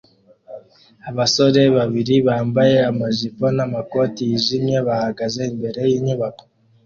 Abasore babiri bambaye amajipo namakoti yijimye bahagaze imbere yinyubako